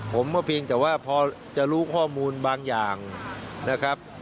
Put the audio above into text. ผมก็เพียงแต่ว่าพอจะรู้ข้อมูลบางอย่างนะครับ